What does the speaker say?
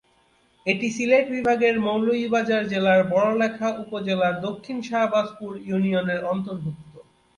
এটি সিলেট বিভাগের মৌলভীবাজার জেলার বড়লেখা উপজেলার দক্ষিণ শাহবাজপুর ইউনিয়নের অন্তর্ভুক্ত।